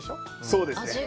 そうです。